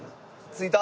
着いた？